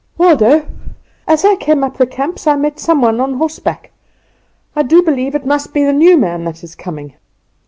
"Waldo, as I came up the camps I met some one on horseback, and I do believe it must be the new man that is coming."